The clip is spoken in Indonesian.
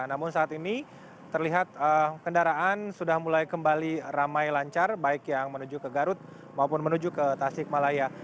namun saat ini terlihat kendaraan sudah mulai kembali ramai lancar baik yang menuju ke garut maupun menuju ke tasik malaya